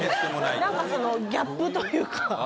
なんかそのギャップというか。